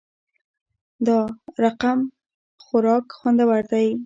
دا رقمخوراک خوندور وی